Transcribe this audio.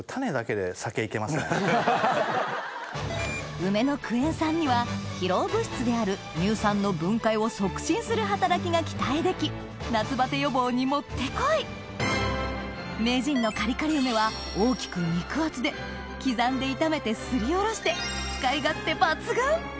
梅のクエン酸には疲労物質である乳酸の分解を促進する働きが期待でき夏バテ予防に持って来い名人のカリカリ梅は大きく肉厚で刻んで炒めてすりおろして使い勝手抜群